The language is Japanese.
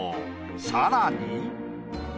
さらに。